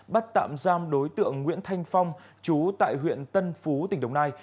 bắt tạm giam đối tượng nguyễn thanh phong chú tại huyện tân phú tỉnh đồng nai